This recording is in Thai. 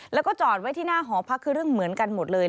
แล้วก็จอดไว้ที่หน้าหอพักคือเรื่องเหมือนกันหมดเลย